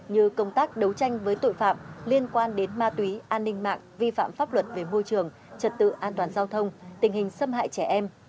như công tác đấu tranh với tội phạm liên quan đến ma túy an ninh mạng vi phạm pháp luật về môi trường trật tự an toàn giao thông tình hình xâm hại trẻ em